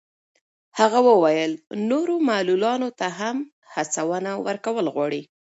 هغه وویل نورو معلولانو ته هم هڅونه ورکول غواړي.